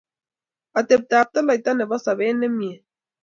Atepto kotoloita nebo sopet nemie